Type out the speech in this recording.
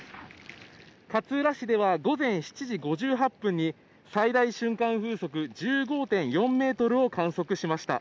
勝浦市では午前７時５８分に最大瞬間風速１５．４メートルを観測しました。